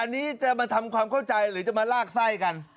อันนี้จะมาทำความเข้าใจหรือจะมาลากไส้กัน